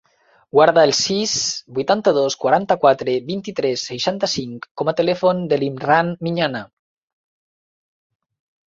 Guarda el sis, vuitanta-dos, quaranta-quatre, vint-i-tres, seixanta-cinc com a telèfon de l'Imran Miñana.